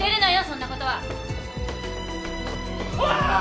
そんなことは！